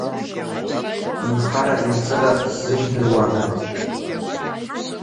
Инхара-инҵыра сзымдыруандаз.